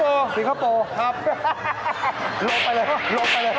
หลบไปเลยหลบไปเลย